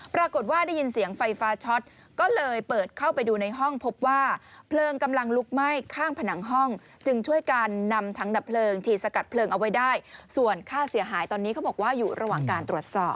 ปรากฏว่าได้ยินเสียงไฟฟ้าช็อตก็เลยเปิดเข้าไปดูในห้องพบว่าเพลิงกำลังลุกไหม้ข้างผนังห้องจึงช่วยกันนำถังดับเพลิงฉีดสกัดเพลิงเอาไว้ได้ส่วนค่าเสียหายตอนนี้เขาบอกว่าอยู่ระหว่างการตรวจสอบ